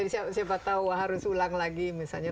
siapa tahu harus ulang lagi misalnya